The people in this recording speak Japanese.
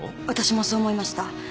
私もそう思いました。